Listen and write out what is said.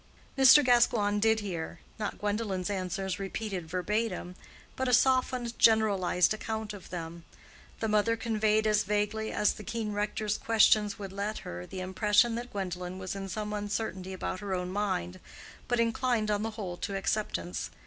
Mr. Gascoigne did hear—not Gwendolen's answers repeated verbatim, but a softened generalized account of them. The mother conveyed as vaguely as the keen rector's questions would let her the impression that Gwendolen was in some uncertainty about her own mind, but inclined on the whole to acceptance.